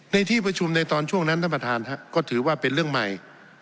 ในที่ประชุมในตอนช่วงนั้นท่านประธานก็ถือว่าเป็นเรื่องใหม่